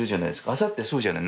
麻ってそうじゃない？